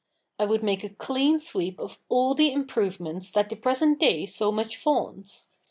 I would make a clean sweep of all the improvements that the present day so much vaunts.